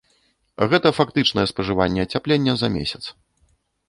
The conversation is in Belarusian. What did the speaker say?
Гэта фактычнае спажыванне ацяплення за месяц.